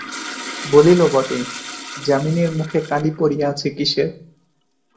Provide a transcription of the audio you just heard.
বলিল বটে, যামিনীর মুখে কালি পড়িয়াছে কিসের?